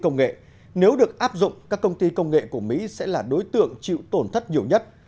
nếu được áp dụng các công ty công nghệ của mỹ sẽ là đối tượng chịu tổn thất nhiều nhất